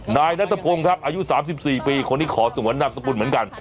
นายนัทพงศ์ครับอายุ๓๔ปีคนนี้ขอสงวนนามสกุลเหมือนกัน